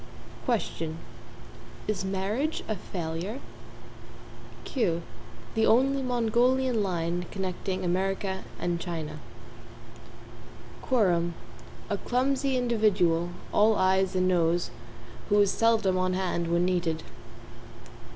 =QUESTION= Is marriage a failure? =QUEUE= The only Mongolian line connecting America and China. =QUORUM= A clumsy individual, all Ayes and Noes, who is seldom on hand when needed.